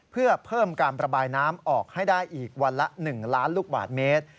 เพื่อเพิ่มการประบายน้ำออกให้ได้อีกวันละ๑ล้านลูกบาทเมตร